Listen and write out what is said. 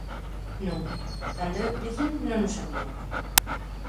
Non, cando eu crecín non os había.